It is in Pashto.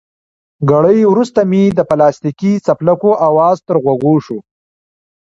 ګړی وروسته مې د پلاستیکي څپلکو اواز تر غوږو شو.